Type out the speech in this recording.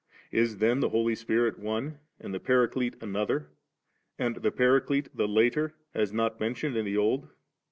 Is then the Holy Spirit ooe^ and the Paraclete another, and the Paraclete die later, as not mentioned in the Old?